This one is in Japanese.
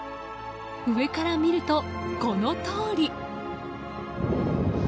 上から見ると、このとおり。